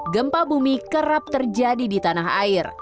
gempa bumi kerap terjadi di tanah air